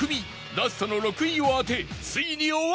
ラストの６位を当てついに終われるか？